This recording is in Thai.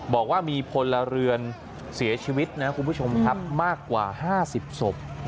บอกว่ามีพลเรือนเสียชีวิตนะคุณผู้ชมครับมากกว่า๕๐ศพ